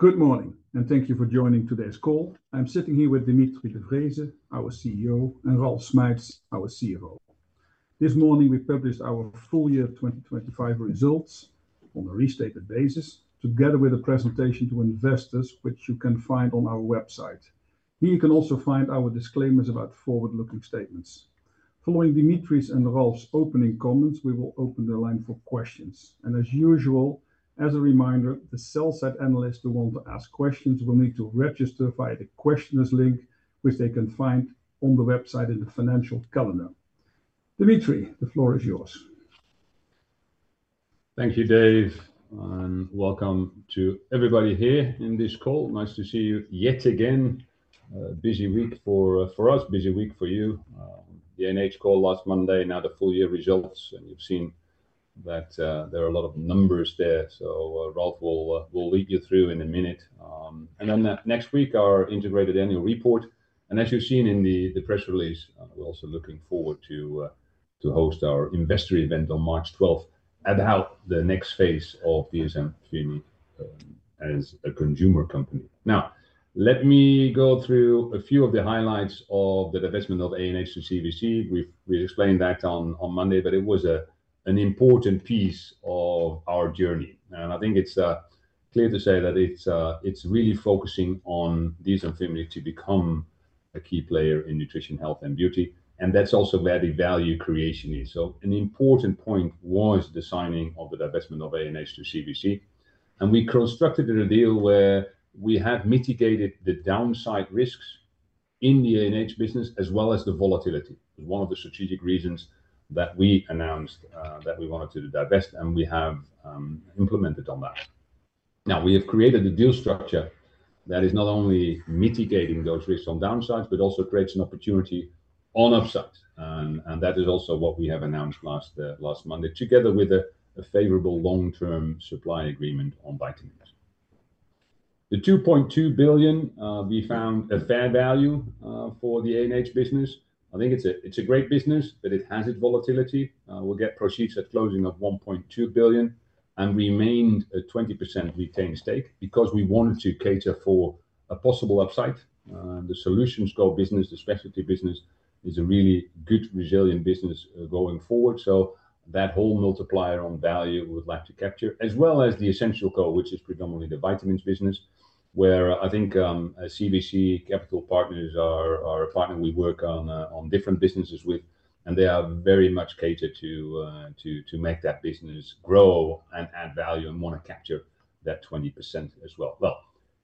Good morning, and thank you for joining today's call. I'm sitting here with Dimitri de Vreeze, our CEO, and Ralf Schmeitz, our CFO. This morning, we published our full year 2025 results on a restated basis, together with a presentation to investors, which you can find on our website. Here you can also find our disclaimers about forward-looking statements. Following Dimitri's and Ralf's opening comments, we will open the line for questions. As usual, as a reminder, the sell-side analysts who want to ask questions will need to register via the questions link, which they can find on the website in the financial calendar. Dimitri, the floor is yours. Thank you, Dave, and welcome to everybody here in this call. Nice to see you yet again. Busy week for us, busy week for you. The ANH call last Monday, now the full year results, and you've seen that there are a lot of numbers there. So, Ralf will lead you through in a minute. And then next week, our integrated annual report. And as you've seen in the press release, we're also looking forward to host our investor event on March 12th, about the next phase of DSM-Firmenich, as a consumer company. Now, let me go through a few of the highlights of the divestment of ANH to CVC. We've explained that on Monday, but it was an important piece of our journey, and I think it's clear to say that it's really focusing on DSM-Firmenich to become a key player in nutrition, health, and beauty, and that's also where the value creation is. So an important point was the signing of the divestment of ANH to CVC, and we constructed a deal where we have mitigated the downside risks in the ANH business, as well as the volatility. One of the strategic reasons that we announced that we wanted to divest, and we have implemented on that. Now, we have created a deal structure that is not only mitigating those risks on downsides, but also creates an opportunity on upside, and that is also what we have announced last Monday, together with a favorable long-term supply agreement on vitamins. The 2.2 billion, we found a fair value for the ANH business. I think it's a great business, but it has its volatility. We'll get proceeds at closing of 1.2 billion and remained a 20% retained stake because we wanted to cater for a possible upside. The solutions core business, the specialty business, is a really good, resilient business going forward. So that whole multiplier on value, we would like to capture, as well as the essential core, which is predominantly the vitamins business, where I think, CVC Capital Partners are a partner we work on, on different businesses with, and they are very much catered to, to make that business grow and add value and want to capture that 20% as well. Well,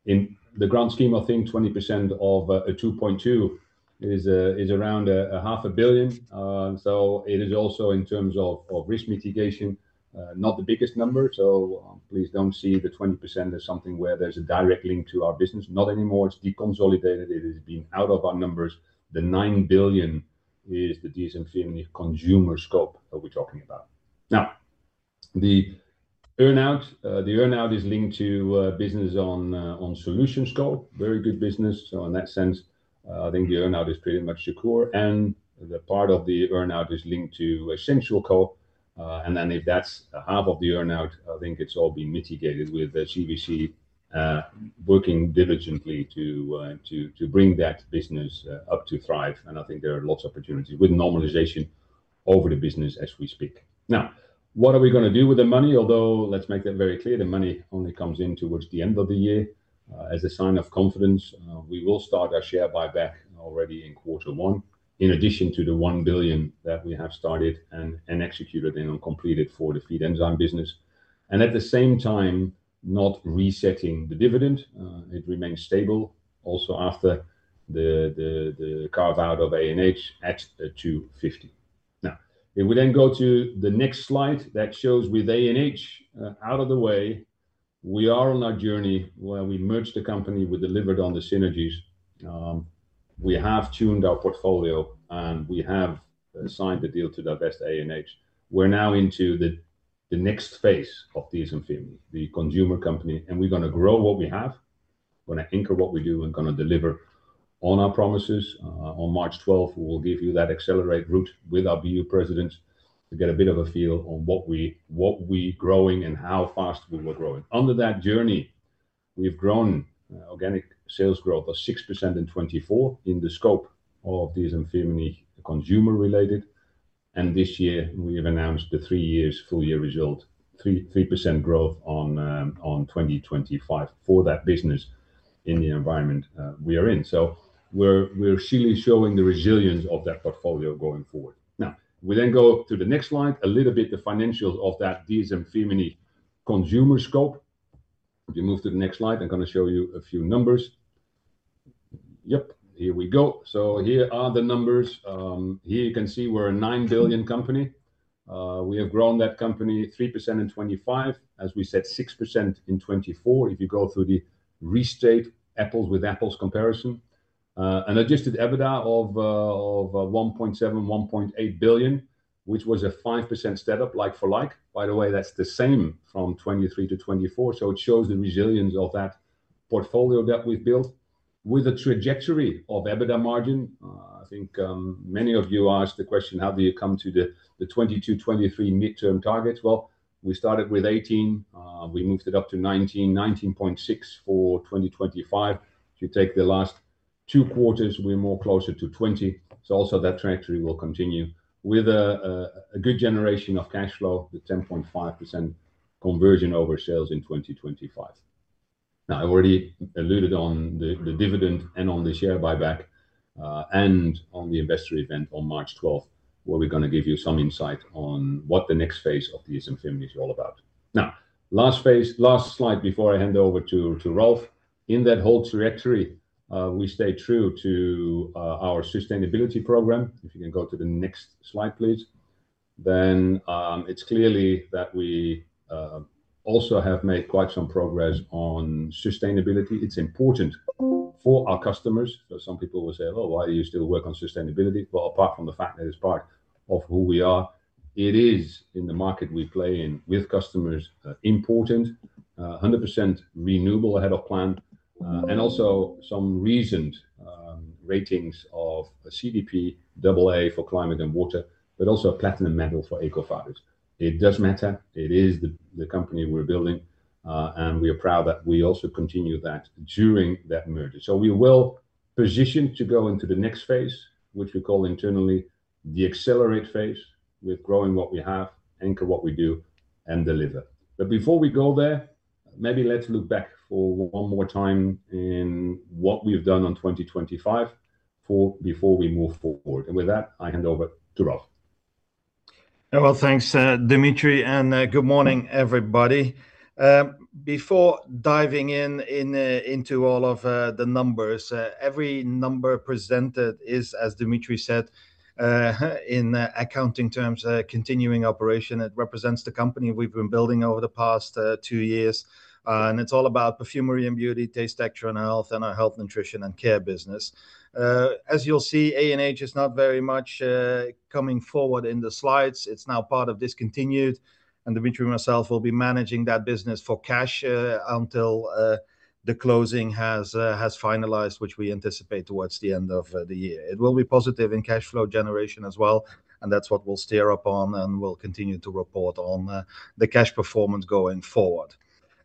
in the grand scheme of things, 20% of a 2.2 is around 500 million. So it is also in terms of risk mitigation, not the biggest number, so please don't see the 20% as something where there's a direct link to our business. Not anymore. It's deconsolidated. It has been out of our numbers. The 9 billion is the DSM-Firmenich consumer scope that we're talking about. Now, the earn-out is linked to business on solutions core. Very good business. So in that sense, I think the earn-out is pretty much secure, and the part of the earn-out is linked to essential core. And then if that's half of the earn-out, I think it's all been mitigated with the CVC working diligently to bring that business up to thrive. And I think there are lots of opportunities with normalization over the business as we speak. Now, what are we gonna do with the money? Although, let's make that very clear, the money only comes in towards the end of the year. As a sign of confidence, we will start our share buyback already in quarter one, in addition to the 1 billion that we have started and, and executed and completed for the feed enzyme business, and at the same time, not resetting the dividend. It remains stable also after the, the, the carve-out of ANH at 2.50. Now, if we then go to the next slide that shows with ANH out of the way, we are on our journey where we merged the company, we delivered on the synergies. We have tuned our portfolio, and we have signed the deal to divest ANH. We're now into the next phase of DSM-Firmenich, the consumer company, and we're gonna grow what we have. We're gonna anchor what we do, and gonna deliver on our promises. On March 12th, we will give you that accelerate route with our BU presidents to get a bit of a feel on what we growing and how fast we were growing. Under that journey, we've grown organic sales growth of 6% in 2024 in the scope of DSM-Firmenich consumer-related, and this year we have announced the three-year full-year result, 3% growth on 2025 for that business in the environment we are in. We're really showing the resilience of that portfolio going forward. Now, we then go to the next slide, a little bit the financials of that DSM-Firmenich consumer scope. If you move to the next slide, I'm gonna show you a few numbers. Here we go. Here are the numbers. Here you can see we're a 9 billion company. We have grown that company 3% in 2025, as we said, 6% in 2024. If you go through the restated apples-to-apples comparison, an adjusted EBITDA of 1.7 billion-1.8 billion, which was a 5% step-up, like for like. By the way, that's the same from 2023 to 2024, so it shows the resilience of that portfolio that we've built. With the trajectory of EBITDA margin, I think many of you asked the question: how do you come to the 2022-2023 mid-term targets? Well, we started with 18%, we moved it up to 19%, 19.6% for 2025. If you take the last two quarters, we're more closer to 20%. Also that trajectory will continue with a good generation of cash flow, the 10.5% conversion over sales in 2025. Now, I've already alluded on the dividend and on the share buyback, and on the investor event on March 12th, where we're gonna give you some insight on what the next phase of DSM-Firmenich is all about. Now, last slide before I hand over to Ralf. In that whole trajectory, we stay true to our sustainability program. If you can go to the next slide, please. Then, it's clearly that we also have made quite some progress on sustainability. It's important for our customers. So some people will say, "Oh, why do you still work on sustainability?" Well, apart from the fact that it's part of who we are, it is, in the market we play in with customers, important. 100% renewable ahead of plan, and also some recent ratings of CDP double A for climate and water, but also a platinum medal for EcoVadis. It does matter. It is the company we're building, and we are proud that we also continue that during that merger. So we are well-positioned to go into the next phase, which we call internally the accelerate phase, with growing what we have, anchor what we do, and deliver. But before we go there, maybe let's look back for one more time in what we've done on 2025 before we move forward. With that, I hand over to Ralf. Well, thanks, Dimitri, and good morning, everybody. Before diving into all of the numbers, every number presented is, as Dimitri said, in accounting terms, a continuing operation. It represents the company we've been building over the past two years. It's all about perfumery and beauty, taste, texture, and health, and our Health, Nutrition, and Care business. As you'll see, ANH is not very much coming forward in the slides. It's now part of discontinued, and Dimitri and myself will be managing that business for cash until the closing has finalized, which we anticipate towards the end of the year. It will be positive in cash flow generation as well, and that's what we'll steer upon, and we'll continue to report on the cash performance going forward.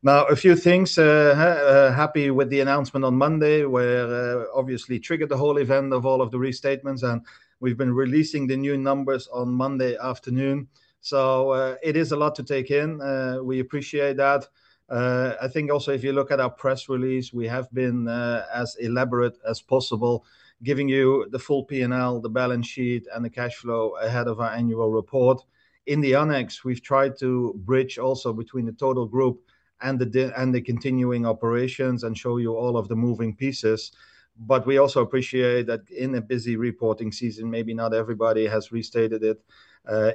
Now, a few things. Happy with the announcement on Monday, where obviously triggered the whole event of all of the restatements, and we've been releasing the new numbers on Monday afternoon, so it is a lot to take in. We appreciate that. I think also, if you look at our press release, we have been as elaborate as possible, giving you the full P&L, the balance sheet, and the cash flow ahead of our annual report. In the annex, we've tried to bridge also between the total group and the di- and the continuing operations and show you all of the moving pieces. But we also appreciate that in a busy reporting season, maybe not everybody has restated it.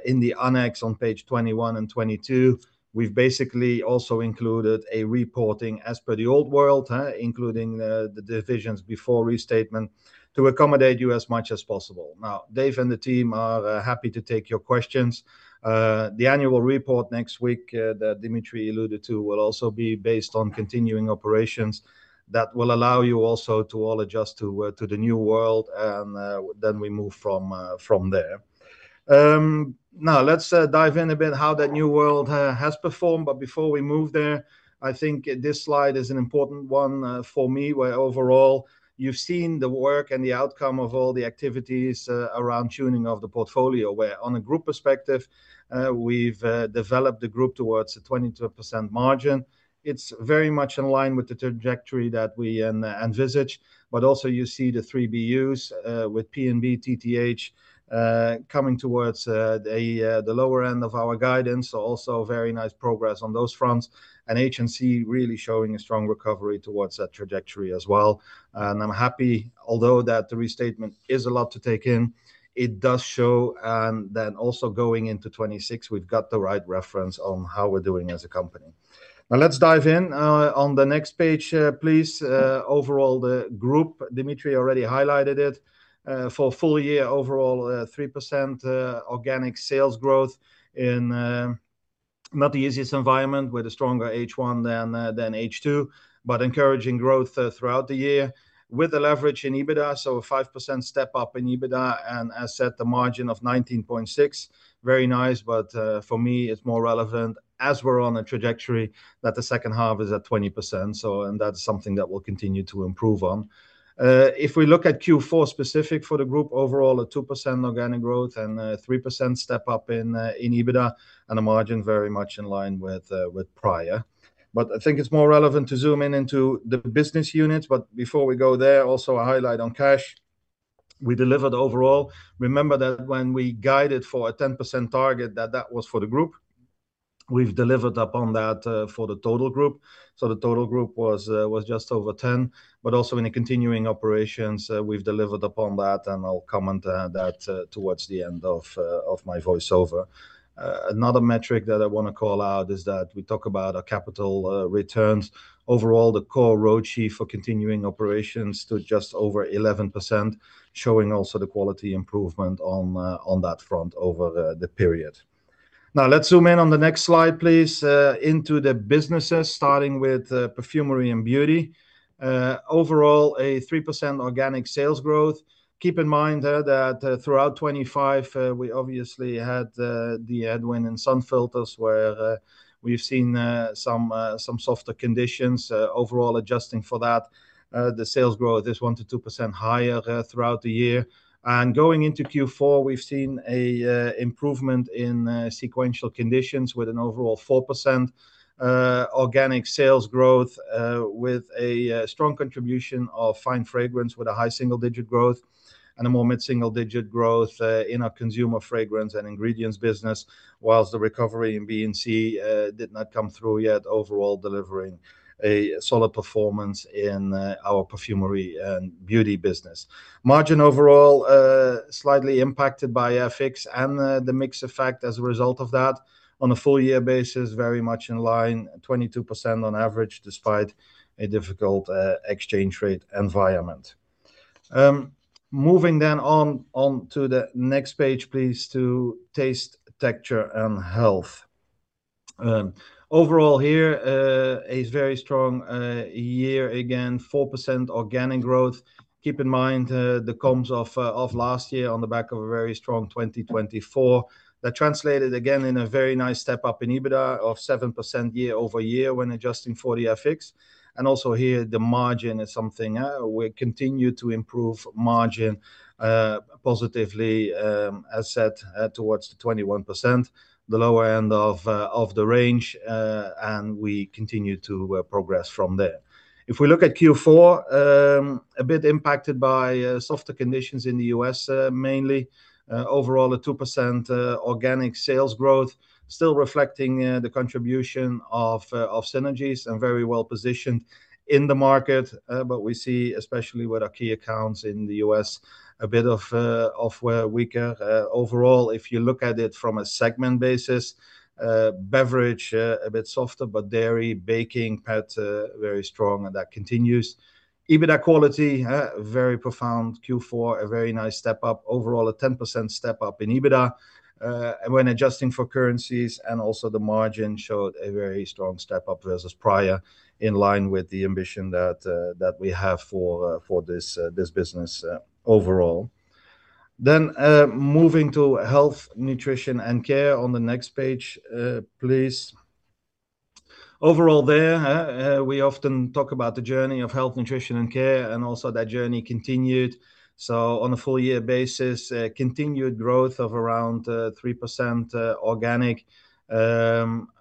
In the annex, on page 21 and 22, we've basically also included a reporting as per the old world, including the divisions before restatement, to accommodate you as much as possible. Now, Dave and the team are happy to take your questions. The annual report next week, that Dimitri alluded to, will also be based on continuing operations that will allow you also to all adjust to the new world, and then we move from there. Now let's dive in a bit how that new world has performed. But before we move there, I think this slide is an important one for me, where overall, you've seen the work and the outcome of all the activities around tuning of the portfolio. Where on a group perspective, we've developed the group towards a 22% margin. It's very much in line with the trajectory that we envisaged. But also you see the three BUs with P&B, TTH coming towards the lower end of our guidance. So also very nice progress on those fronts, and HNC really showing a strong recovery towards that trajectory as well. And I'm happy, although that the restatement is a lot to take in, it does show, and then also going into 2026, we've got the right reference on how we're doing as a company. Now, let's dive in. On the next page, please, overall, the group, Dimitri already highlighted it, for full year overall, 3% organic sales growth in not the easiest environment, with a stronger H1 than H2, but encouraging growth throughout the year with a leverage in EBITDA, so a 5% step up in EBITDA and adjusted margin of 19.6%. Very nice, but for me, it's more relevant as we're on a trajectory that the second half is at 20%, so and that's something that we'll continue to improve on. If we look at Q4 specifically for the group, overall, a 2% organic growth and a 3% step up in EBITDA, and a margin very much in line with prior. But I think it's more relevant to zoom in into the business units. But before we go there, also a highlight on cash. We delivered overall. Remember that when we guided for a 10% target, that that was for the group. We've delivered upon that, for the total group. So the total group was, was just over 10%, but also in the continuing operations, we've delivered upon that, and I'll comment on that, towards the end of, of my voice over. Another metric that I wanna call out is that we talk about our capital, returns. Overall, the core ROCE for continuing operations stood just over 11%, showing also the quality improvement on, on that front over the, the period. Now, let's zoom in on the next slide, please, into the businesses, starting with, Perfumery and Beauty. Overall, 3% organic sales growth. Keep in mind that throughout 2025 we obviously had the ANH and sun filters, where we've seen some softer conditions. Overall, adjusting for that, the sales growth is 1%-2% higher throughout the year. Going into Q4, we've seen an improvement in sequential conditions with an overall 4% organic sales growth, with a strong contribution of Fine Fragrance with a high single-digit growth and a more mid-single-digit growth in our Consumer Fragrance and Ingredients business. While the recovery in B&C did not come through yet, overall delivering a solid performance in our perfumery and beauty business. Margin overall slightly impacted by FX and the mix effect as a result of that. On a full year basis, very much in line, 22% on average, despite a difficult exchange rate environment. Moving then on, on to the next page, please, to Taste, Texture, and Health. Overall here, a very strong year. Again, 4% organic growth. Keep in mind, the comps of, of last year on the back of a very strong 2024. That translated again in a very nice step up in EBITDA of 7% YoY when adjusting for the FX. And also here, the margin is something, we continue to improve margin, positively, as set, towards the 21%, the lower end of, of the range, and we continue to, progress from there. If we look at Q4, a bit impacted by, softer conditions in the U.S., mainly. Overall, a 2% organic sales growth, still reflecting the contribution of synergies and very well-positioned in the market, but we see, especially with our key accounts in the U.S., a bit of weaker. Overall, if you look at it from a segment basis, beverage a bit softer, but dairy, baking, pet very strong, and that continues. EBITDA quality very profound. Q4, a very nice step-up. Overall, a 10% step-up in EBITDA when adjusting for currencies, and also the margin showed a very strong step-up versus prior, in line with the ambition that we have for this business overall. Then, moving to Health, Nutrition, and Care on the next page, please. Overall there, we often talk about the journey of Health, Nutrition, and Care, and also that journey continued. So on a full-year basis, continued growth of around 3%, organic.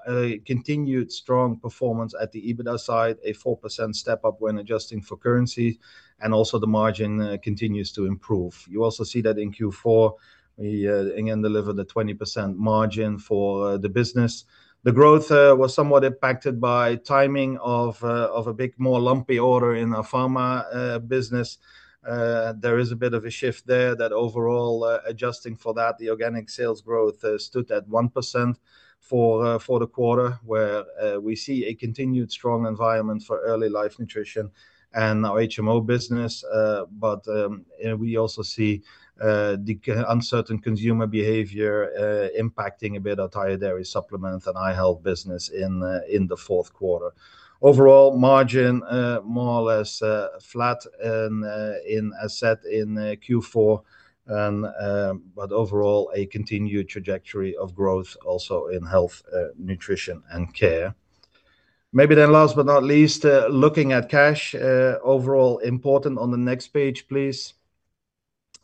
A continued strong performance at the EBITDA side, a 4% step-up when adjusting for currency, and also the margin continues to improve. You also see that in Q4, we again delivered a 20% margin for the business. The growth was somewhat impacted by timing of a big, more lumpy order in our Pharma business. There is a bit of a shift there that overall, adjusting for that, the organic sales growth stood at 1% for the quarter, where we see a continued strong environment for Early Life Nutrition and our HMO business. But we also see the uncertain consumer behavior impacting a bit our Dietary Supplements and Eye Health business in the fourth quarter. Overall margin more or less flat in HNC in Q4. But overall, a continued trajectory of growth also in Health, Nutrition, and Care. Maybe then last but not least, looking at cash, overall important on the next page, please.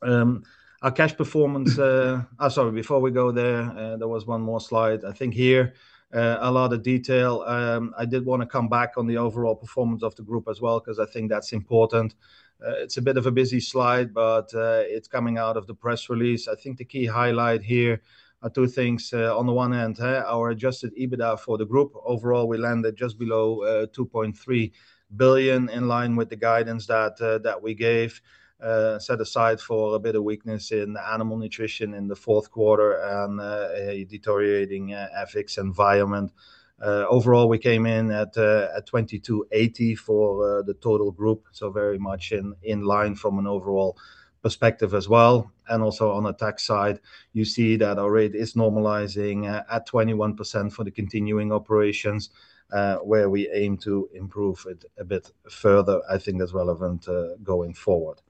Our cash performance. Sorry, before we go there, there was one more slide. I think here, a lot of detail. I did wanna come back on the overall performance of the group as well, 'cause I think that's important. It's a bit of a busy slide, but it's coming out of the press release. I think the key highlight here are two things. On the one hand, our adjusted EBITDA for the group. Overall, we landed just below 2.3 billion, in line with the guidance that we gave, set aside for a bit of weakness in Animal Nutrition in the fourth quarter and a deteriorating FX environment. Overall, we came in at 2.28 billion for the total group, so very much in line from an overall perspective as well. And also on the tax side, you see that our rate is normalizing at 21% for the continuing operations, where we aim to improve it a bit further. I think that's relevant, going forward.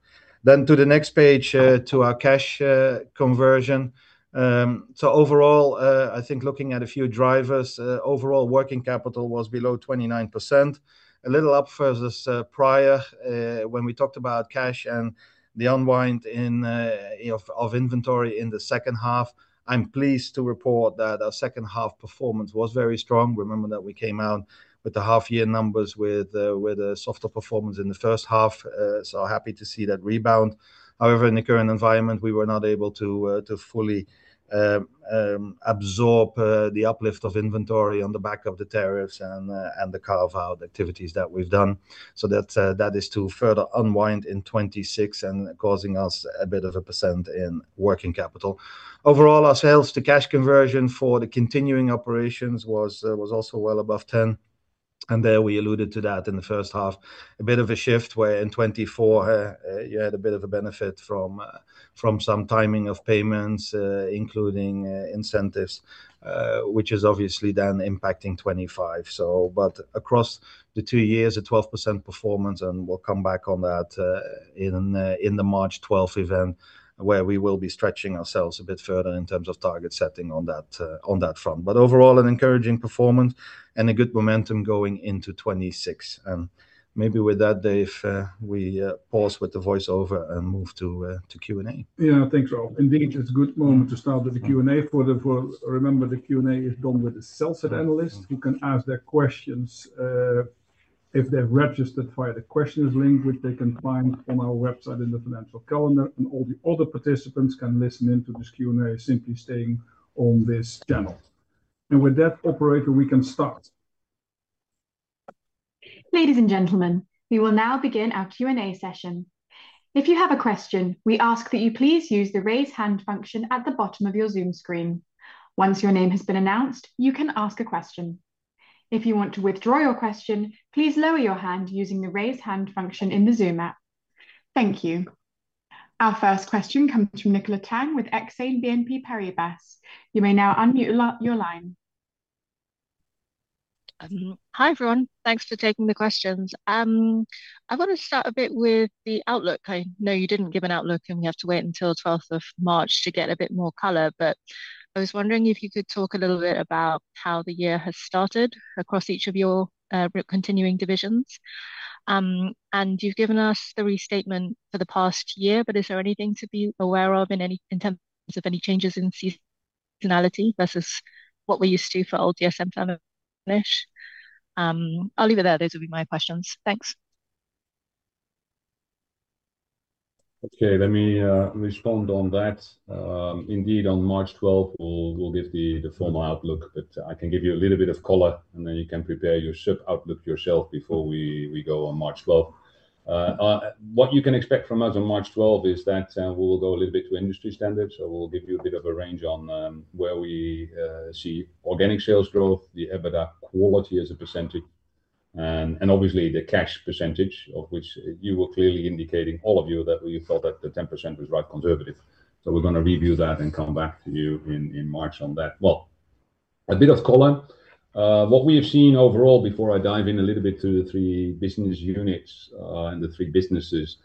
Then to the next page, to our cash conversion. So overall, I think looking at a few drivers, overall, working capital was below 29%, a little up versus prior, when we talked about cash and the unwind of inventory in the second half. I'm pleased to report that our second half performance was very strong. Remember that we came out with the half-year numbers with a softer performance in the first half, so happy to see that rebound. However, in the current environment, we were not able to to fully absorb the uplift of inventory on the back of the tariffs and the carve-out activities that we've done. So that is to further unwind in 2026 and causing us a bit of a percent in working capital. Overall, our sales to cash conversion for the continuing operations was also well above 10%. And there we alluded to that in the first half. A bit of a shift, where in 2024, you had a bit of a benefit from some timing of payments, including incentives, which is obviously then impacting 2025. But across the two years, a 12% performance, and we'll come back on that in the March 12th event, where we will be stretching ourselves a bit further in terms of target setting on that front. But overall, an encouraging performance and a good momentum going into 2026. And maybe with that, Dave, we pause with the voice over and move to Q&A. Yeah. Thanks, Ralf. Indeed, it's a good moment to start with the Q&A. Remember, the Q&A is done with the sell-side analysts, who can ask their questions, if they're registered, via the questions link, which they can find on our website in the financial calendar. And all the other participants can listen in to this Q&A, simply staying on this channel. And with that, operator, we can start. Ladies and gentlemen, we will now begin our Q&A session. If you have a question, we ask that you please use the Raise Hand function at the bottom of your Zoom screen. Once your name has been announced, you can ask a question. If you want to withdraw your question, please lower your hand using the Raise Hand function in the Zoom app. Thank you. Our first question comes from Nicola Tang with Exane BNP Paribas. You may now unmute your line. Hi, everyone. Thanks for taking the questions. I want to start a bit with the outlook. I know you didn't give an outlook, and we have to wait until 12 of March to get a bit more color. But I was wondering if you could talk a little bit about how the year has started across each of your continuing divisions. And you've given us the restatement for the past year, but is there anything to be aware of in terms of any changes in seasonality versus what we're used to for old DSM-Firmenich? I'll leave it there. Those will be my questions. Thanks. Okay, let me respond on that. Indeed, on March 12th, we'll give the formal outlook, but I can give you a little bit of color, and then you can prepare your outlook yourself before we go on March 12th. What you can expect from us on March 12th is that we will go a little bit to industry standards. So we'll give you a bit of a range on where we see organic sales growth, the EBITDA quality as a percentage, and obviously the cash percentage, of which you were clearly indicating, all of you, that you felt that the 10% was right, conservative. So we're gonna review that and come back to you in March on that. Well, a bit of color. What we have seen overall, before I dive in a little bit to the three business units and the three businesses,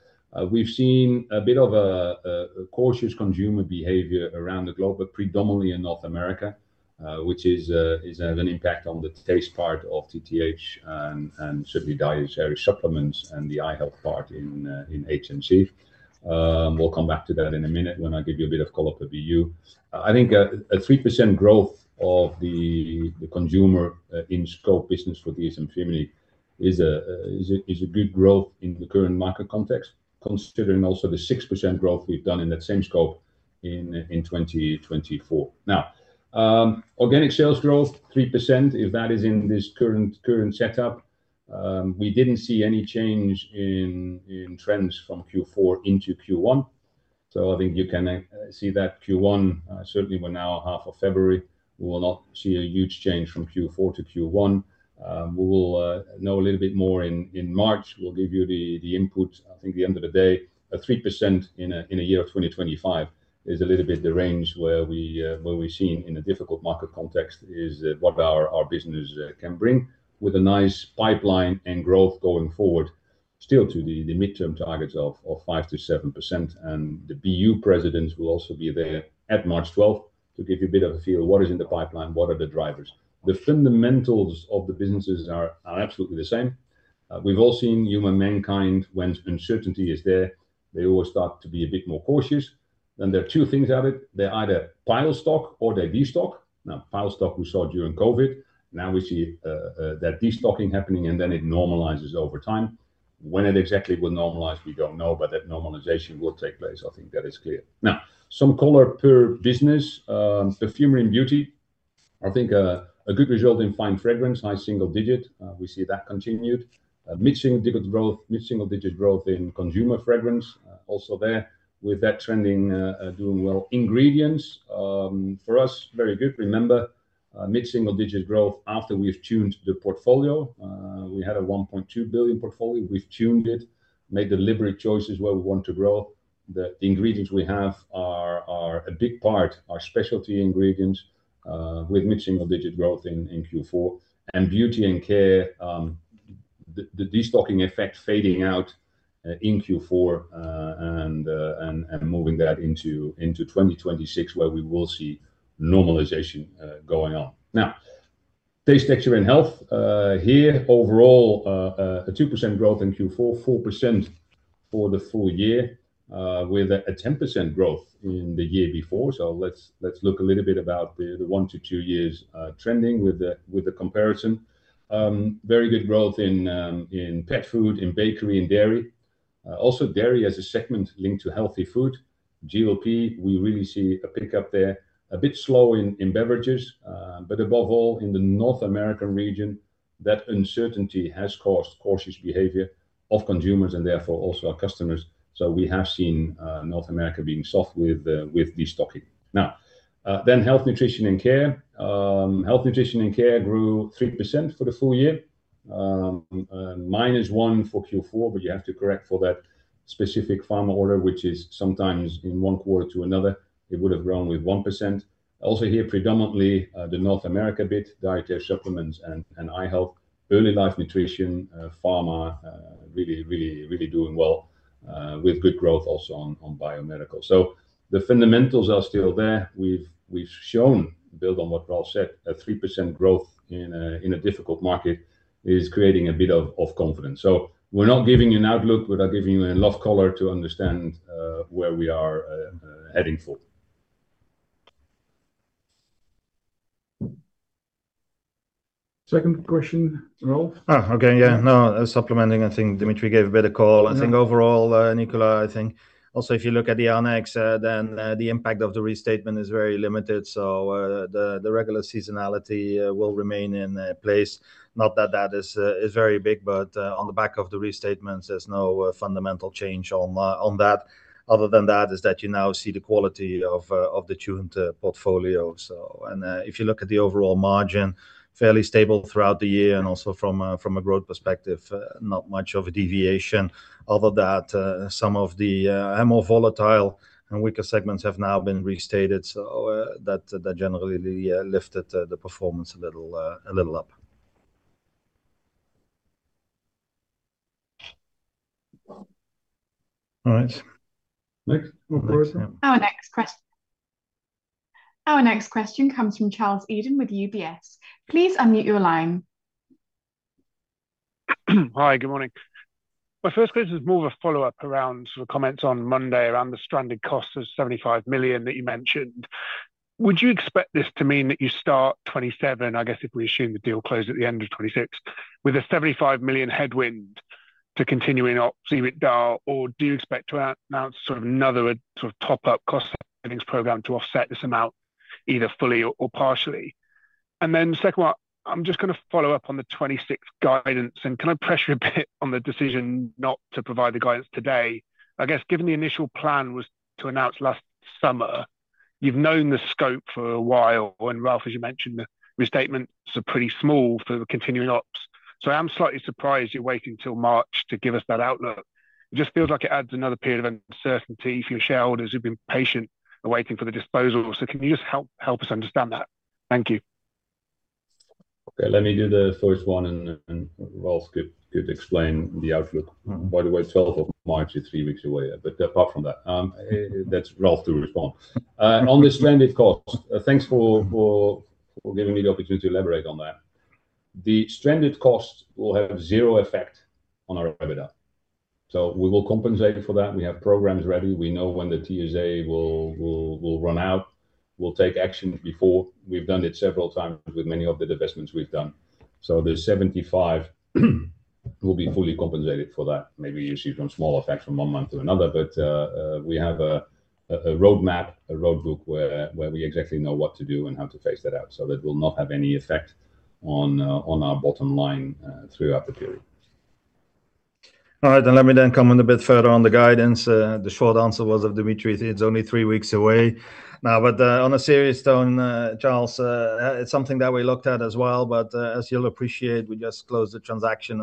we've seen a bit of a cautious consumer behavior around the globe, but predominantly in North America, which is having an impact on the taste part of TTH and certainly dietary supplements and the eye health part in HNC. We'll come back to that in a minute when I give you a bit of color per BU. I think a 3% growth of the consumer in scope business for the DSM family is a good growth in the current market context, considering also the 6% growth we've done in that same scope in 2024. Now, organic sales growth, 3%, if that is in this current setup. We didn't see any change in trends from Q4 into Q1, so I think you can see that Q1, certainly we're now half of February, we will not see a huge change from Q4 to Q1. We will know a little bit more in March. We'll give you the input. I think the end of the day, a 3% in a year of 2025 is a little bit the range where we've seen in a difficult market context, is what our business can bring, with a nice pipeline and growth going forward, still to the midterm targets of 5%-7%. The BU presidents will also be there at March 12th to give you a bit of a feel of what is in the pipeline, what are the drivers. The fundamentals of the businesses are absolutely the same. We've all seen human mankind, when uncertainty is there, they always start to be a bit more cautious. There are two things out of it. They either pile stock or they de-stock. Pile stock, we saw during COVID. Now we see that de-stocking happening, and then it normalizes over time. When it exactly will normalize, we don't know, but that normalization will take place. I think that is clear. Now, some color per business. Perfume and Beauty, I think, a good result in Fine Fragrance, high single digit. We see that continued. Mid-single digit growth, mid-single digit growth in Consumer Fragrance, also there, with that trending, doing well. Ingredients, for us, very good. Remember, mid-single digit growth after we've tuned the portfolio. We had a 1.2 billion portfolio. We've tuned it, made deliberate choices where we want to grow, that the ingredients we have are, are a big part, are specialty ingredients, with mid-single digit growth in Q4. And Beauty and Care, the de-stocking effect fading out in Q4, and moving that into 2026, where we will see normalization going on. Now, Taste, Texture and Health, here, overall, a 2% growth in Q4, 4% for the full year, with a 10% growth in the year before. So let's look a little bit about the one to two years trending with the comparison. Very good growth in pet food, in bakery, and dairy. Also dairy as a segment linked to healthy food. GLP, we really see a pickup there. A bit slow in beverages, but above all, in the North American region, that uncertainty has caused cautious behavior of consumers and therefore also our customers. So we have seen North America being soft with destocking. Now, then Health, Nutrition, and Care. Health, Nutrition, and Care grew 3% for the full year, minus 1% for Q4, but you have to correct for that specific Pharma order, which is sometimes in one quarter to another, it would have grown with 1%. Also here, predominantly, the North America bit, Dietary Supplements and Eye Health, Early Life Nutrition, Pharma, really, really, really doing well, with good growth also on Biomedical. So the fundamentals are still there. We've shown, build on what Ralf said, a 3% growth in a difficult market is creating a bit of confidence. So we're not giving you an outlook, but we are giving you a lot of color to understand where we are heading for. Second question, Ralf? Ah, okay, yeah. No, supplementing, I think Dimitri gave a better call. Yeah. I think overall, Nicola, I think also if you look at the Annex, then, the impact of the restatement is very limited, so, the regular seasonality will remain in place. Not that that is very big, but, on the back of the restatements, there's no fundamental change on that. Other than that, is that you now see the quality of the tuned portfolio. So... and, if you look at the overall margin, fairly stable throughout the year, and also from a growth perspective, not much of a deviation. Other than that, some of the more volatile and weaker segments have now been restated, so, that generally lifted the performance a little up. All right. Next question. Our next question comes from Charles Eden with UBS. Please unmute your line. Hi, good morning. My first question is more of a follow-up around sort of comments on Monday around the stranded cost of 75 million that you mentioned. Would you expect this to mean that you start 2027, I guess, if we assume the deal closed at the end of 2026, with a 75 million headwind to continuing Op EBITDA, or do you expect to announce sort of another sort of top-up cost savings program to offset this amount, either fully or partially? Then the second one, I'm just gonna follow up on the 2026 guidance, and can I pressure a bit on the decision not to provide the guidance today? I guess, given the initial plan was to announce last summer, you've known the scope for a while, and Ralf, as you mentioned, the restatements are pretty small for the continuing ops. I am slightly surprised you're waiting till March to give us that outlook. It just feels like it adds another period of uncertainty for your shareholders who've been patient and waiting for the disposal. Can you just help us understand that? Thank you. Okay, let me do the first one, and then Ralf could explain the outlook. By the way, 12 of March is 3 weeks away, but apart from that, that's Ralf to respond. On the stranded cost, thanks for giving me the opportunity to elaborate on that. The stranded cost will have zero effect on our EBITDA, so we will compensate for that. We have programs ready. We know when the TSA will run out. We'll take action before. We've done it several times with many of the divestments we've done. So the 75 will be fully compensated for that. Maybe you see some small effect from one month to another, but we have a roadmap, a roadbook, where we exactly know what to do and how to phase that out. So that will not have any effect on our bottom line throughout the period. All right, then let me comment a bit further on the guidance. The short answer was of Dimitri; it's only three weeks away. Now, but on a serious tone, Charles, it's something that we looked at as well, but as you'll appreciate, we just closed the transaction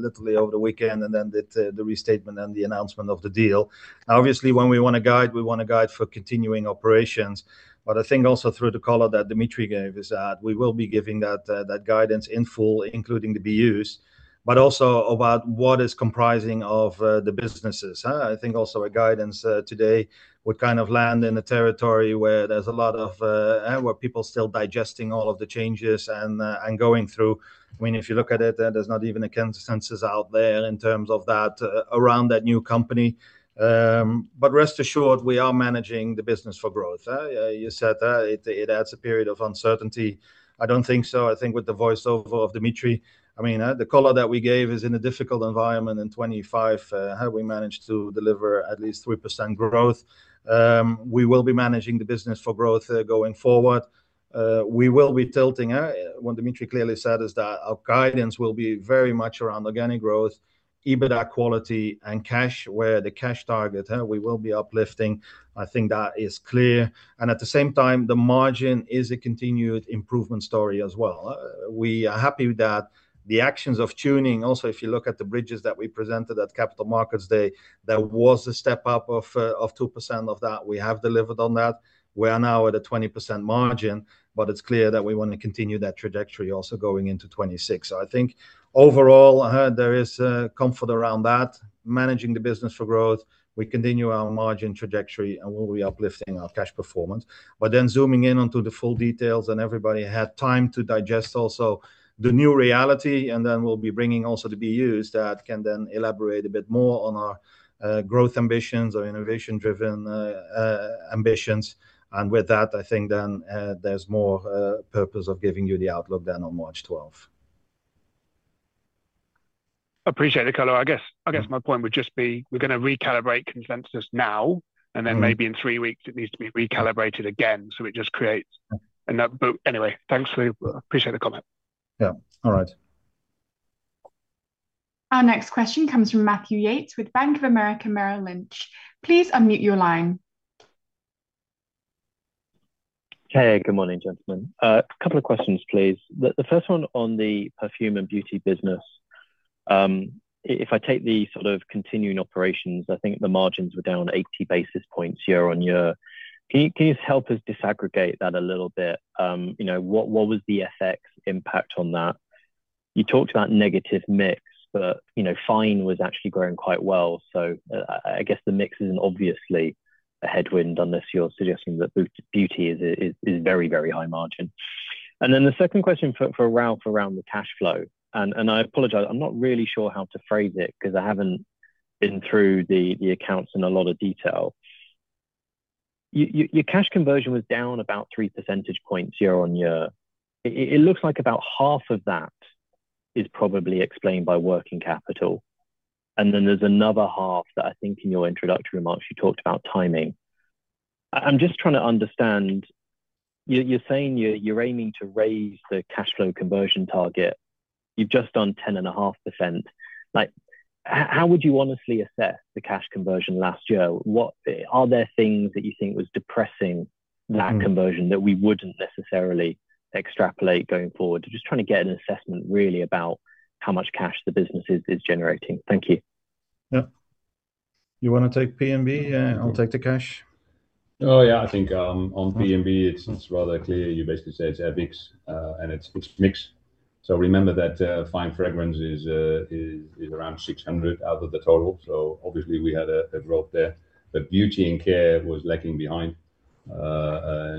literally over the weekend, and then the restatement and the announcement of the deal. Obviously, when we want to guide, we want to guide for continuing operations, but I think also through the color that Dimitri gave is that we will be giving that guidance in full, including the BUs, but also about what is comprising of the businesses, huh? I think also a guidance today would kind of land in a territory where there's a lot of... where people still digesting all of the changes and going through. I mean, if you look at it, there's not even a consensus out there in terms of that around that new company. But rest assured, we are managing the business for growth. You said it adds a period of uncertainty. I don't think so. I think with the voice over of Dimitri, I mean, the color that we gave is in a difficult environment in 2025, how we managed to deliver at least 3% growth. We will be managing the business for growth going forward. We will be tilting... what Dimitri clearly said is that our guidance will be very much around organic growth, EBITDA quality, and cash, where the cash target we will be uplifting. I think that is clear. And at the same time, the margin is a continued improvement story as well. We are happy that the actions of tuning, also, if you look at the bridges that we presented at Capital Markets Day, there was a step-up of 2% of that. We have delivered on that. We are now at a 20% margin, but it's clear that we want to continue that trajectory also going into 2026. So I think overall, there is comfort around that, managing the business for growth. We continue our margin trajectory, and we'll be uplifting our cash performance. But then zooming in onto the full details, and everybody had time to digest also the new reality, and then we'll be bringing also the BUs that can then elaborate a bit more on our growth ambitions or innovation-driven ambitions. With that, I think then, there's more purpose of giving you the outlook than on March 12th. Appreciate the color. I guess my point would just be, we're gonna recalibrate consensus now- and then maybe in three weeks it needs to be recalibrated again, so it just creates... But anyway, thanks. We appreciate the comment. Yeah. All right.... Our next question comes from Matthew Yates with Bank of America Merrill Lynch. Please unmute your line. Hey, good morning, gentlemen. A couple of questions, please. The first one on the Perfume and Beauty business. If I take the sort of continuing operations, I think the margins were down 80 basis points year-on-year. Can you help us disaggregate that a little bit? You know, what was the FX impact on that? You talked about negative mix, but, you know, Fine was actually growing quite well, so, I guess, the mix isn't obviously a headwind, unless you're suggesting that beauty is very, very high margin. And then the second question for Ralf around the cash flow, and I apologize, I'm not really sure how to phrase it, 'cause I haven't been through the accounts in a lot of detail. Your cash conversion was down about 3 percentage points year-on-year. It looks like about half of that is probably explained by working capital, and then there's another half that I think in your introductory remarks, you talked about timing. I'm just trying to understand, you're saying you're aiming to raise the cash flow conversion target. You've just done 10.5%. Like, how would you honestly assess the cash conversion last year? What... Are there things that you think was depressing that-... conversion, that we wouldn't necessarily extrapolate going forward? Just trying to get an assessment really about how much cash the business is generating. Thank you. Yeah. You wanna take P&B, and I'll take the cash? Oh, yeah. I think, on P&B, it's, it's rather clear. You basically said it's mix, and it's, it's mixed. So remember that, Fine Fragrance is, is, around 600 out of the total, so obviously we had a drop there. But Beauty and Care was lagging behind,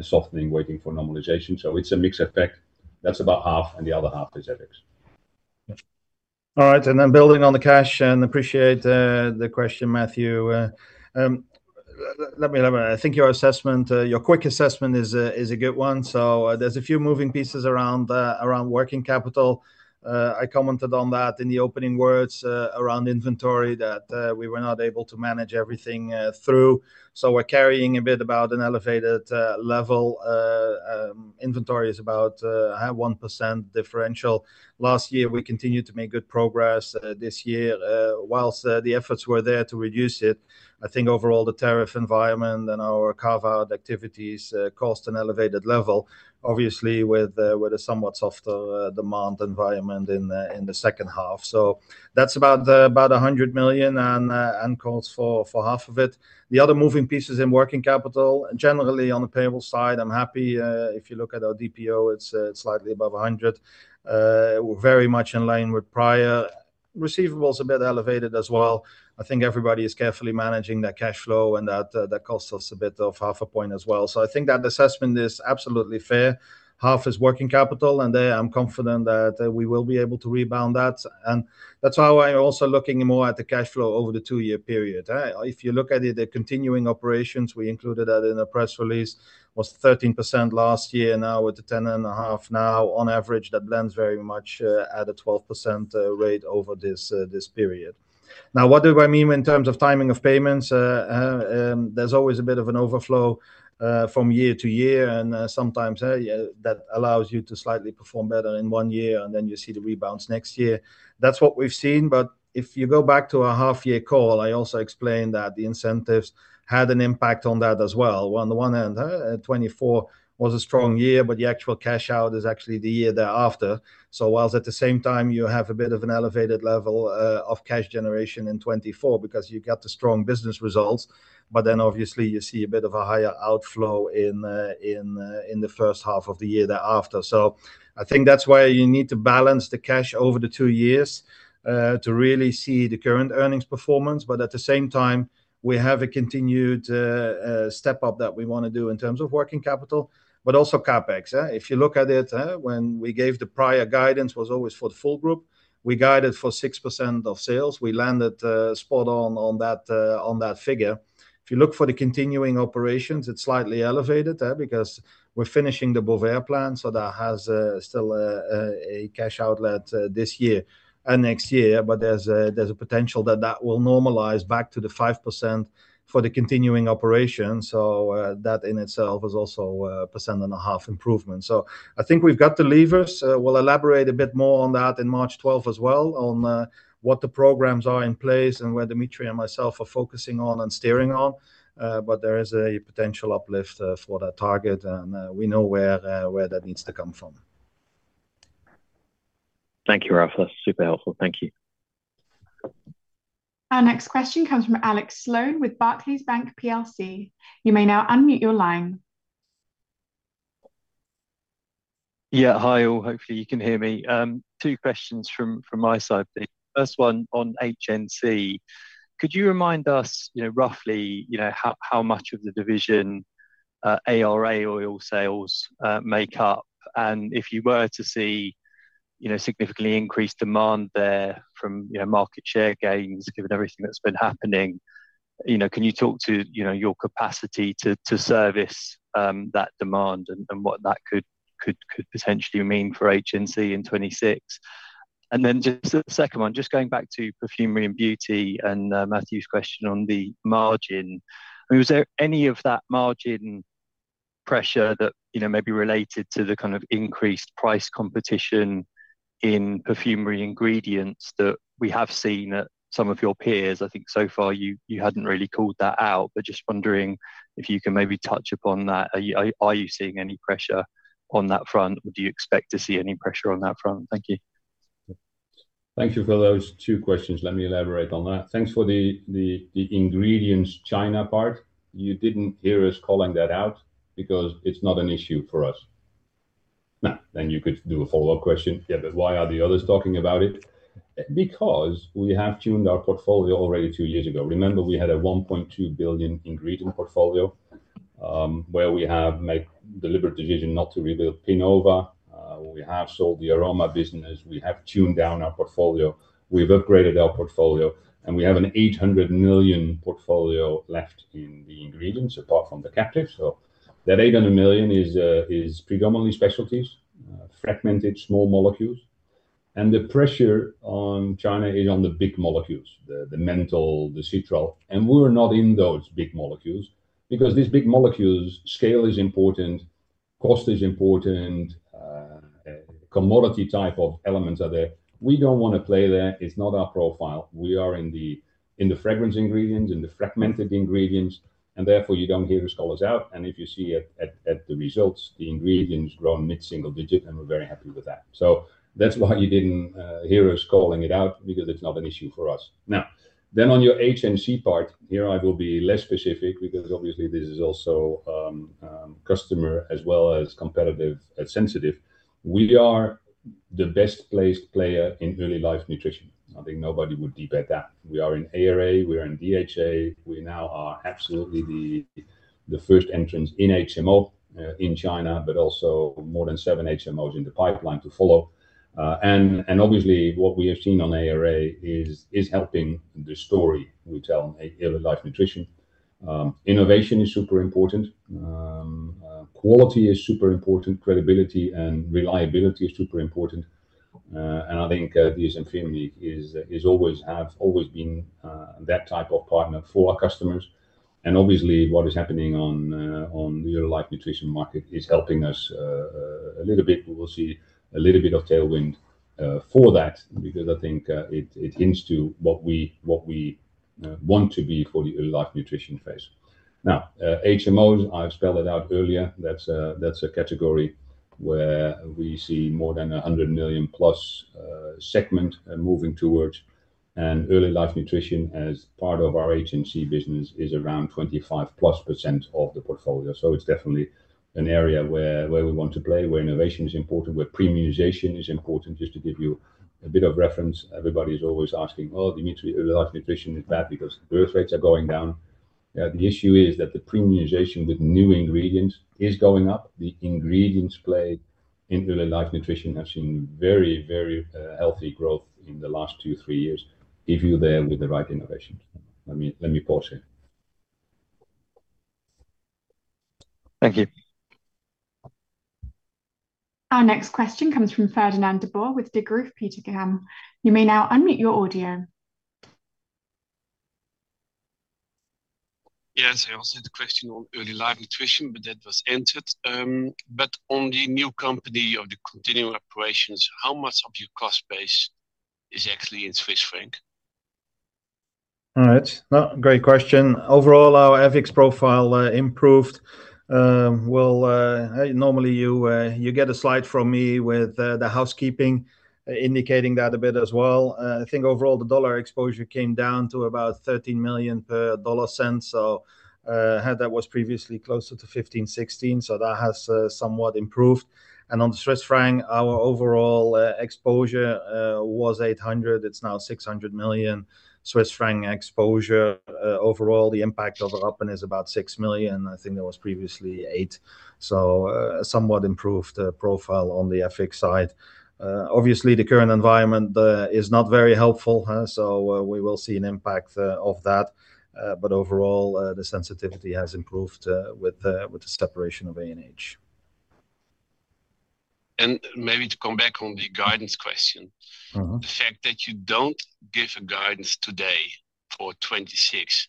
softening, waiting for normalization, so it's a mix effect. That's about half, and the other half is mix. All right, and then building on the cash, and appreciate the question, Matthew. Let me... I think your assessment, your quick assessment is a good one. So, there's a few moving pieces around around working capital. I commented on that in the opening words, around inventory, that we were not able to manage everything through, so we're carrying a bit about an elevated level. Inventory is about high 1% differential. Last year, we continued to make good progress. This year, whilst the efforts were there to reduce it, I think overall, the tariff environment and our carve-out activities cost an elevated level. Obviously, with with a somewhat softer demand environment in the in the second half. So that's about 100 million, and accounts for half of it. The other moving pieces in working capital, generally on the payable side, I'm happy. If you look at our DPO, it's slightly above 100. We're very much in line with prior. Receivables a bit elevated as well. I think everybody is carefully managing their cash flow, and that costs us a bit of half a point as well. So I think that assessment is absolutely fair. Half is working capital, and there, I'm confident that we will be able to rebound that, and that's why we're also looking more at the cash flow over the two-year period, eh? If you look at it, the continuing operations, we included that in the press release, was 13% last year. Now, with the 10.5 now, on average, that lands very much at a 12% rate over this this period. Now, what do I mean in terms of timing of payments? There's always a bit of an overflow from year to year, and sometimes, yeah, that allows you to slightly perform better in one year, and then you see the rebounds next year. That's what we've seen, but if you go back to our half year call, I also explained that the incentives had an impact on that as well. On the one hand, 2024 was a strong year, but the actual cash out is actually the year thereafter. So while at the same time, you have a bit of an elevated level of cash generation in 2024, because you've got the strong business results, but then obviously you see a bit of a higher outflow in the first half of the year thereafter. So I think that's why you need to balance the cash over the two years to really see the current earnings performance, but at the same time, we have a continued step up that we wanna do in terms of working capital, but also CapEx, eh? If you look at it, when we gave the prior guidance was always for the full group. We guided for 6% of sales. We landed spot on, on that, on that figure. If you look for the continuing operations, it's slightly elevated, because we're finishing the Bovaer plant, so that has, still, a cash outlet, this year and next year. But there's a, there's a potential that that will normalize back to the 5% for the continuing operation, so, that in itself is also a 1.5% improvement. So I think we've got the levers. We'll elaborate a bit more on that in March 12th as well, on, what the programs are in place, and where Dimitri and myself are focusing on and steering on. But there is a potential uplift, for that target, and, we know where, where that needs to come from. Thank you, Ralf. That's super helpful. Thank you. Our next question comes from Alex Sloane with Barclays Bank PLC. You may now unmute your line. Yeah, hi all. Hopefully, you can hear me. Two questions from my side. The first one on HNC, could you remind us, you know, roughly, you know, how much of the division ARA oil sales make up? And if you were to see, you know, significantly increased demand there from, you know, market share gains, given everything that's been happening, you know, can you talk to, you know, your capacity to service that demand, and what that could potentially mean for HNC in 2026? And then just the second one, just going back to Perfumery and Beauty and Matthew's question on the margin. I mean, was there any of that margin pressure that, you know, may be related to the kind of increased price competition in perfumery ingredients that we have seen at some of your peers. I think so far, you hadn't really called that out, but just wondering if you can maybe touch upon that. Are you seeing any pressure on that front? Or do you expect to see any pressure on that front? Thank you. Thank you for those two questions. Let me elaborate on that. Thanks for the ingredients China part. You didn't hear us calling that out because it's not an issue for us. Now, then you could do a follow-up question. Yeah, but why are the others talking about it? Because we have tuned our portfolio already two years ago. Remember we had a 1.2 billion ingredient portfolio, where we have made deliberate decision not to rebuild Pinova. We have sold the aroma business, we have tuned down our portfolio, we've upgraded our portfolio, and we have a 800 million portfolio left in the ingredients, apart from the captive. So that 800 million is predominantly specialties, fragmented, small molecules. And the pressure on China is on the big molecules, the menthol, the citral, and we're not in those big molecules. Because these big molecules, scale is important, cost is important, commodity type of elements are there. We don't want to play there. It's not our profile. We are in the, in the Fragrance ingredients, in the fragmented ingredients, and therefore, you don't hear us call us out. And if you see at, at, at the results, the ingredients grow mid-single digit, and we're very happy with that. So that's why you didn't hear us calling it out, because it's not an issue for us. Now, then on your HNC part here, I will be less specific because obviously this is also customer as well as competitive and sensitive. We are the best placed player in Early Life Nutrition. I think nobody would debate that. We are in ARA, we are in DHA. We now are absolutely the first entrants in HMO in China, but also more than seven HMOs in the pipeline to follow. And obviously, what we have seen on ARA is helping the story we tell Early Life Nutrition. Innovation is super important. Quality is super important. Credibility and reliability is super important. And I think Givaudan is always have always been that type of partner for our customers. And obviously, what is happening on the Early Life Nutrition market is helping us a little bit. We will see a little bit of tailwind for that because I think it hints to what we want to be for the Early Life Nutrition phase. Now, HMOs, I've spelled it out earlier, that's a, that's a category where we see more than 100 million+ segment moving towards. And Early Life Nutrition as part of our HNC business is around 25%+ of the portfolio. So it's definitely an area where, where we want to play, where innovation is important, where premiumization is important. Just to give you a bit of reference, everybody is always asking, "Oh, Dimitri, Early Life Nutrition is bad because birth rates are going down." The issue is that the premiumization with new ingredients is going up. The ingredients play in Early Life Nutrition have seen very, very healthy growth in the last two, three years if you're there with the right innovations. Let me pause here. Thank you. Our next question comes from Fernand de Boer with Degroof Petercam. You may now unmute your audio. Yes, I also had a question on Early Life Nutrition, but that was answered. But on the new company of the continuing operations, how much of your cost base is actually in Swiss franc? All right. No, great question. Overall, our FX profile improved. Well, normally, you get a slide from me with the housekeeping indicating that a bit as well. I think overall, the dollar exposure came down to about $13 million per dollar cents. So, that was previously closer to 15, 16. So that has somewhat improved. And on Swiss franc, our overall exposure was 800, it's now 600 million Swiss franc exposure. Overall, the impact of it up and is about 6 million. I think that was previously 8. So, somewhat improved profile on the FX side. Obviously, the current environment is not very helpful, huh, so, we will see an impact of that. But overall, the sensitivity has improved with the separation of ANH. Maybe to come back on the guidance question. The fact that you don't give a guidance today for 2026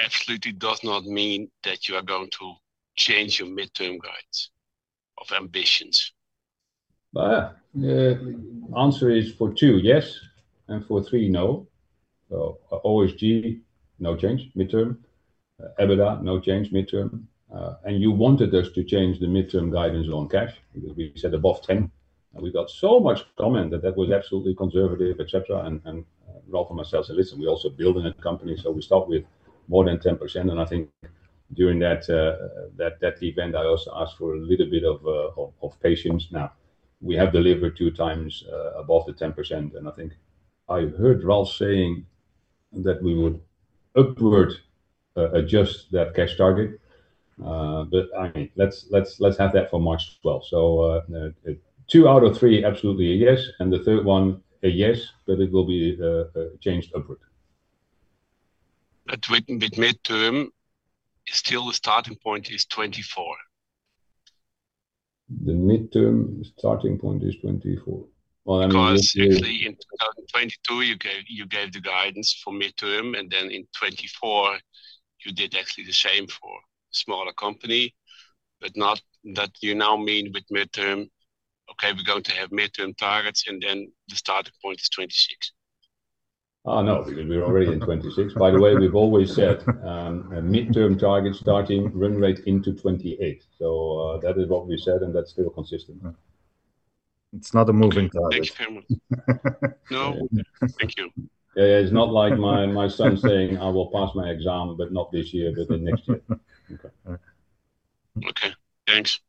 absolutely does not mean that you are going to change your midterm guidance of ambitions. The answer is for two, yes, and for three, no. So OSG, no change midterm. EBITDA, no change midterm. And you wanted us to change the midterm guidance on cash. We said above 10, and we got so much comment that that was absolutely conservative, et cetera. And Ralf and myself said, "Listen, we're also building a company, so we start with more than 10%." And I think during that event, I also asked for a little bit of patience. Now, we have delivered two times above the 10%, and I think I heard Ralf saying that we would upward adjust that cash target. But, I mean, let's have that for March 12th. So, two out of three, absolutely a yes, and the third one a yes, but it will be changed upward. But with midterm, still the starting point is 24? ... the midterm starting point is 24. Well, I mean- 'Cause actually in 2022, you gave, you gave the guidance for midterm, and then in 2024, you did actually the same for smaller company. But not that you now mean with midterm, okay, we're going to have midterm targets, and then the starting point is 2026. Oh, no, because we're already in 2026. By the way, we've always said a midterm target starting run rate into 2028. So, that is what we said, and that's still consistent. It's not a moving target. Thanks very much. No, thank you. Yeah, it's not like my son saying, "I will pass my exam, but not this year, but the next year. Okay. Okay. Thanks.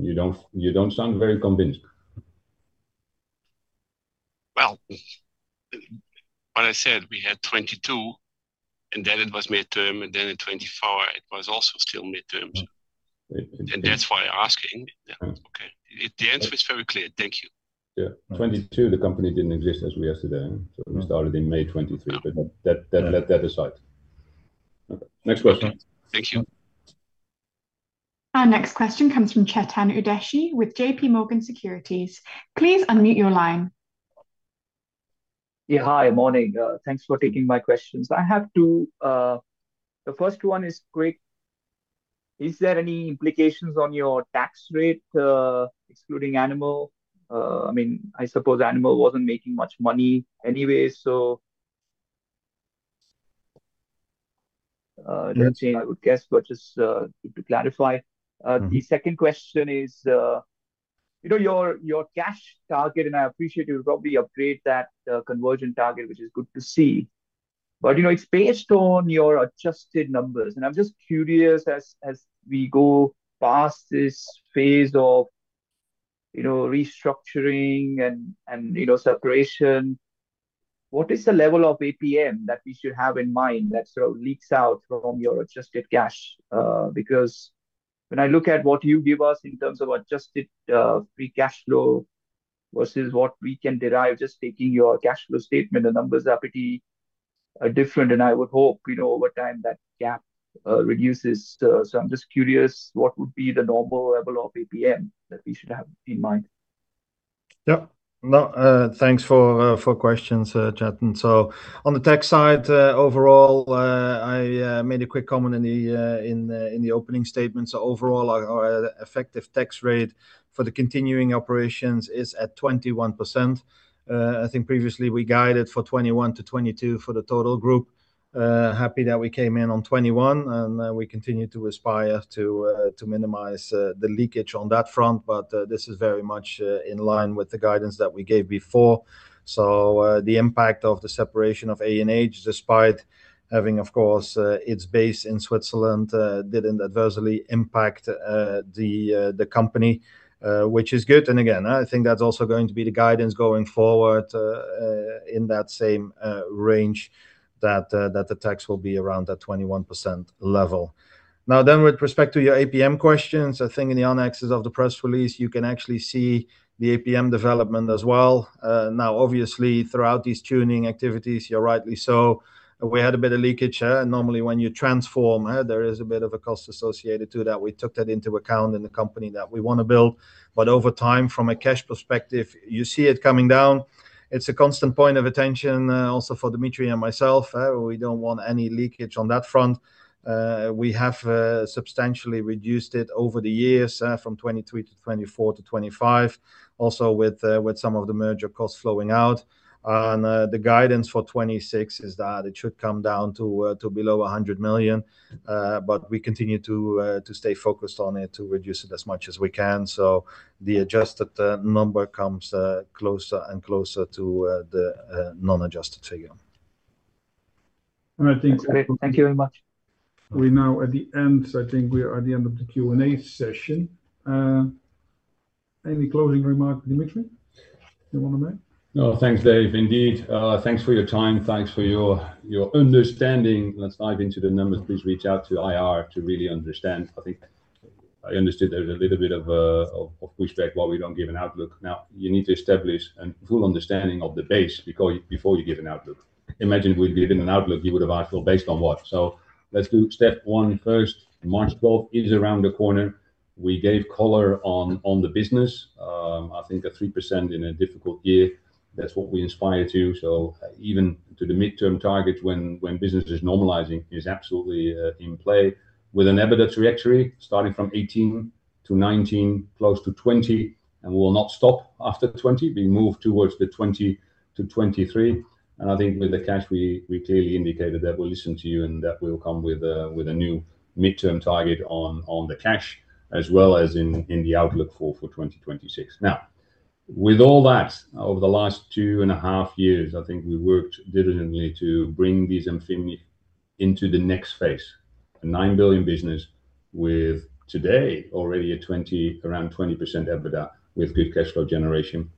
You don't, you don't sound very convinced. Well, what I said, we had 2022, and then it was midterm, and then in 2024 it was also still midterm. Yeah. That's why I'm asking. Yeah. Okay. The answer is very clear. Thank you. Yeah. 2022, the company didn't exist as we are today, so we started in May 2023, but that, that, that aside. Okay, next question. Thank you. Our next question comes from Chetan Udeshi with J.P. Morgan Securities. Please unmute your line. Yeah, hi. Morning. Thanks for taking my questions. I have two... The first one is quick: Is there any implications on your tax rate, excluding Animal? I mean, I suppose Animal wasn't making much money anyway, so,... it didn't change, I would guess, but just to clarify. The second question is, you know, your cash target, and I appreciate you'll probably upgrade that conversion target, which is good to see, but, you know, it's based on your adjusted numbers. And I'm just curious, as we go past this phase of, you know, restructuring and separation, what is the level of APM that we should have in mind that sort of leaks out from your adjusted cash? Because when I look at what you give us in terms of adjusted free cash flow versus what we can derive, just taking your cash flow statement, the numbers are pretty different, and I would hope, you know, over time, that gap reduces. So I'm just curious, what would be the normal level of APM that we should have in mind? Yeah. No, thanks for questions, Chetan. So on the tax side, overall, I made a quick comment in the opening statement. So overall, our effective tax rate for the continuing operations is at 21%. I think previously we guided for 21%-22% for the total group. Happy that we came in on 21, and we continue to aspire to minimize the leakage on that front, but this is very much in line with the guidance that we gave before. So, the impact of the separation of ANH, despite having, of course, its base in Switzerland, didn't adversely impact the company, which is good. And again, I think that's also going to be the guidance going forward, in that same range, that the tax will be around that 21% level. Now then, with respect to your APM questions, I think in the annexes of the press release, you can actually see the APM development as well. Now, obviously, throughout these tuning activities, you're rightly so, we had a bit of leakage, and normally when you transform, there is a bit of a cost associated to that. We took that into account in the company that we want to build. But over time, from a cash perspective, you see it coming down. It's a constant point of attention, also for Dimitri and myself. We don't want any leakage on that front. We have substantially reduced it over the years, from 2023 to 2024 to 2025, also with some of the merger costs flowing out. The guidance for 2026 is that it should come down to below 100 million, but we continue to stay focused on it, to reduce it as much as we can, so the adjusted number comes closer and closer to the non-adjusted figure. That's great. Thank you very much. We're now at the end. I think we are at the end of the Q&A session. Any closing remarks, Dimitri, you want to make? No, thanks, Dave. Indeed, thanks for your time. Thanks for your understanding. Let's dive into the numbers. Please reach out to IR to really understand. I think I understood there was a little bit of pushback why we don't give an outlook. Now, you need to establish a full understanding of the base before you give an outlook. Imagine we'd given an outlook, you would have asked, "Well, based on what?" So let's do step one first. March 12th is around the corner. We gave color on the business. I think at 3% in a difficult year, that's what we aspire to. So even to the midterm targets, when business is normalizing, is absolutely in play with an EBITDA trajectory starting from 18-19, close to 20, and will not stop after 20. We move towards 2023. I think with the cash, we clearly indicated that we'll listen to you, and that we'll come with a new midterm target on the cash, as well as in the outlook for 2026. Now, with all that, over the last two and a half years, I think we worked diligently to bring this company into the next phase. A 9 billion business with today already around 20% EBITDA, with good cash flow generation.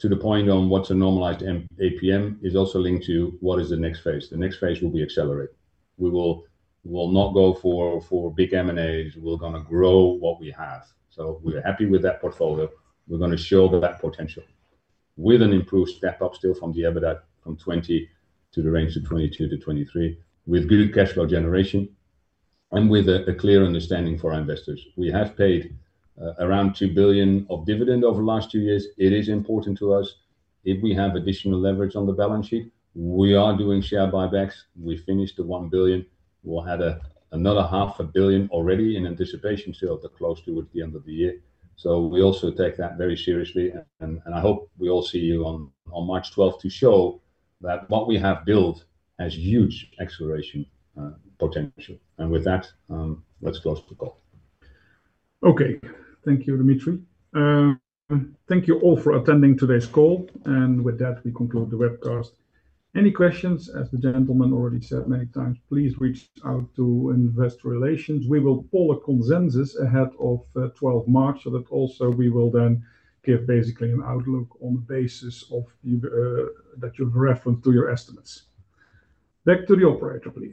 To the point on what's a normalized M- APM is also linked to what is the next phase. The next phase will be accelerate. We will not go for big M&As. We're gonna grow what we have. So we're happy with that portfolio. We're gonna show that potential with an improved step-up in the EBITDA from 20 to the range of 22-23, with good cash flow generation and with a clear understanding for our investors. We have paid around 2 billion of dividend over the last 2 years. It is important to us if we have additional leverage on the balance sheet. We are doing share buybacks. We finished the 1 billion. We'll add another 0.5 billion already in anticipation to the close towards the end of the year. So we also take that very seriously, and I hope we all see you on March 12th to show that what we have built has huge acceleration potential. And with that, let's close the call. Okay. Thank you, Dimitri. Thank you all for attending today's call, and with that, we conclude the webcast. Any questions, as the gentleman already said many times, please reach out to Investor Relations. We will pull a consensus ahead of 12th March, so that also we will then give basically an outlook on the basis of the that you've referenced to your estimates. Back to the operator, please.